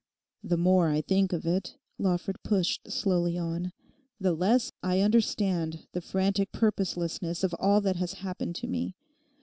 'The more I think of it,' Lawford pushed slowly on, 'the less I understand the frantic purposelessness of all that has happened to me.